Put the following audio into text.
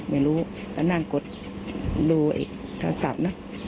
ไม่รู้ก็นั่งกดรูอีกคือโทรศัพท์